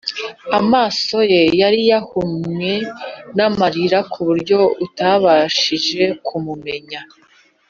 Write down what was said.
amaso ye yari yahumwe n’amarira ku buryo atabashije kumumenya